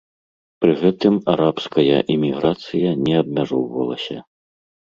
Пры гэтым арабская іміграцыя не абмяжоўвалася.